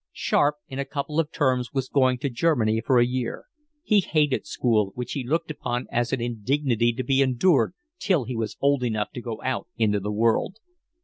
Sharp in a couple of terms was going to Germany for a year. He hated school, which he looked upon as an indignity to be endured till he was old enough to go out into the world.